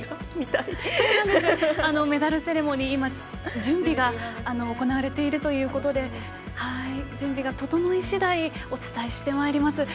メダルセレモニー準備が行われているということで準備が整い次第お伝えしてまいります。